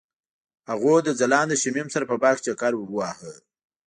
هغوی د ځلانده شمیم سره په باغ کې چکر وواهه.